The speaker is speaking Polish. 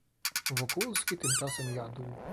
"Wokulski tymczasem jadł."